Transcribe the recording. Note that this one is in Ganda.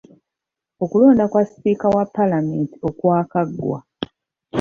Okulonda kwa sipiika wa Paalamenti okwakaggwa.